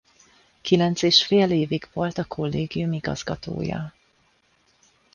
Kilenc és fél évig volt a kollégium igazgatója.